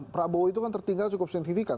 prabowo itu kan tertinggal cukup signifikan